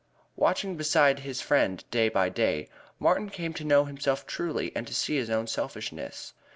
Watching beside his friend day by day, Martin came to know himself truly and to see his own selfishness.